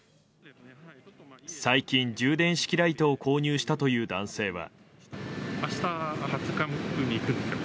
最近、充電式ライトを購入したという男性は。